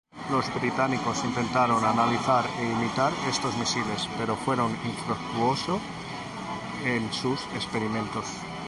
Los británicos intentaron analizar e imitar estos misiles pero fueron infructuoso en sus experimentos.